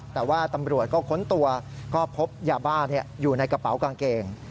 แต่ว่าตำรวจก็ค้นตัวก็พบยาบ้าอยู่ในกระเป๋ากางเกง